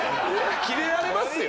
キレられますよ。